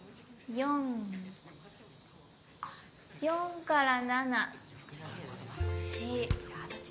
４から７Ｃ。